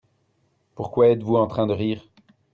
Pourquoi êtes-vous en train de rire ?